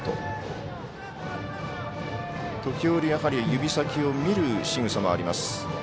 時折指先を見るしぐさもあります。